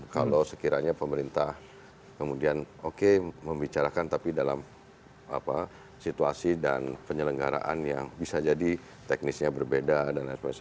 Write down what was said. kalau sekiranya pemerintah kemudian oke membicarakan tapi dalam situasi dan penyelenggaraan yang bisa jadi teknisnya berbeda dan lain sebagainya